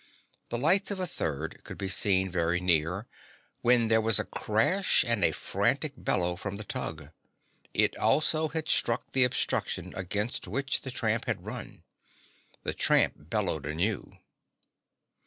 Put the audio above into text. The lights of a third could be seen very near, when there was a crash and a frantic bellow from the tug. It also had struck the obstruction against which the tramp had run. The tramp bellowed anew.